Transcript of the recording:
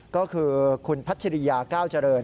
ก็คือคุณพัชริยาก้าวเจริญ